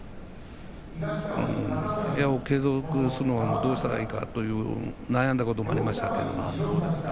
部屋を継続するのにどうしたらいいかと悩んだこともありました。